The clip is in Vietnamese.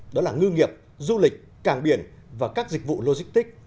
đó là ngư nghiệp du lịch càng biển và các dịch vụ logistics